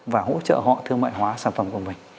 và hỗ trợ họ thương mại hóa sản phẩm của mình